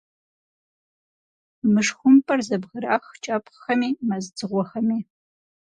Мышхумпӏэр зэбгырах кӏэпхъхэми, мэз дзыгъуэхэми.